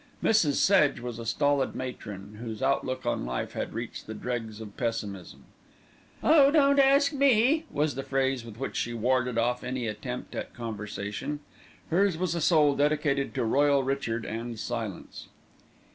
Mrs. Sedge was a stolid matron, whose outlook on life had reached the dregs of pessimism. "Oh! don't ask me," was the phrase with which she warded off any attempt at conversation. Hers was a soul dedicated to Royal Richard and silence.